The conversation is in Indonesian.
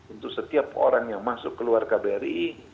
untuk setiap orang yang masuk keluar kbri